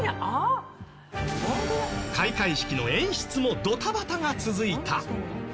開会式の演出もドタバタが続いた。